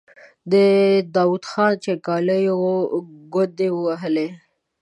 د داود خان جنګياليو ګونډې ووهلې.